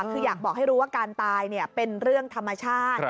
เกิดบอกว่าการตายเนี่ยเป็นเรื่องธรรมชาติ